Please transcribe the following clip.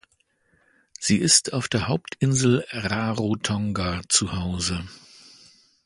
Sie ist auf der Hauptinsel Rarotonga zuhause.